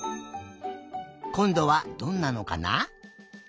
こんどはどんなのかな。